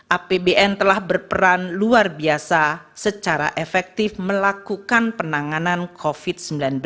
apbn telah berperan luar biasa secara efektif melakukan penanganan covid sembilan belas